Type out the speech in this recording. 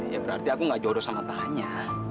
ya berarti aku gak jurus sama tanya